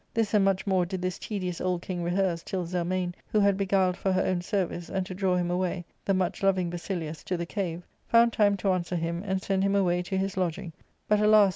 ' This and miich more did this tedious old king rehearse, till Zelmane, who had beguiled for her own service, and to draw him away, the much loving Basilius, to the cave, found time to answer him and send him away to his lodging, but, alas